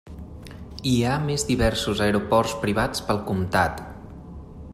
Hi ha a més diversos aeroports privats pel comtat.